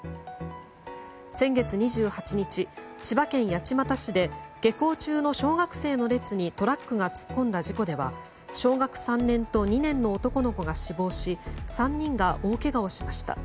先月２８日、千葉県八街市で下校中の小学生の列にトラックが突っ込んだ事故では小学３年と２年の男の子が死亡し３人が大けがをしました。